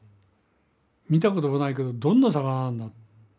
見たこともないけどどんな魚なんだ？